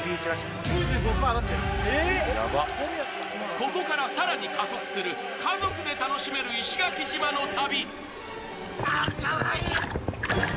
ここから更に加速する家族で楽しめる石垣島の旅。